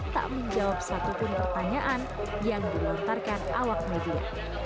tak menjawab satupun pertanyaan yang dilontarkan awak media